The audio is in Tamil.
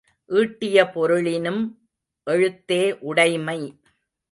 ஈட்டிய பொருளினும் எழுத்தே உடைமை.